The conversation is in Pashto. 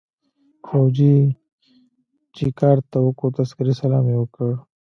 فوجي چې کارت ته وکوت عسکري سلام يې وکړ.